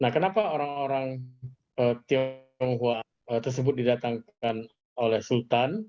nah kenapa orang orang tionghoa tersebut didatangkan oleh sultan